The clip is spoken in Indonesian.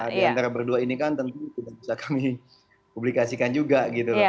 di antara berdua ini kan tentu tidak bisa kami publikasikan juga gitu loh